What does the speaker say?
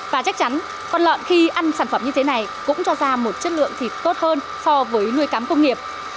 và chắc chắn con lợn khi ăn sản phẩm như thế này cũng cho ra một chất lượng thịt tốt hơn so với nuôi cám công nghiệp